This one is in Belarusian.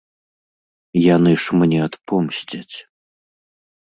Яны ж мне адпомсцяць.